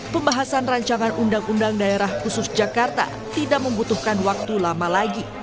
pembahasan rancangan undang undang daerah khusus jakarta tidak membutuhkan waktu lama lagi